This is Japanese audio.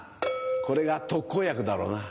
これが特効薬だろうな。